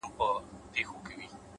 د حقیقت منل ځواک دی’